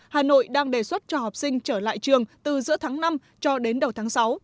hà nội đang đề xuất cho học sinh trở lại trường từ giữa tháng năm cho đến đầu tháng sáu